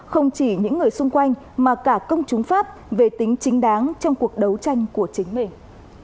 không chỉ những người xung quanh mà cả công chúng pháp về tính chính đáng trong cuộc đấu tranh của chính mình